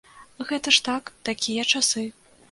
Гэта ж так, такія часы.